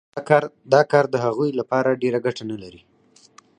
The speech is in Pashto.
دا کار د هغوی لپاره ډېره ګټه نلري